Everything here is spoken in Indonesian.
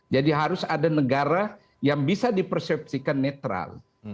jadi harus ada negara yang bisa dipersepsikan netral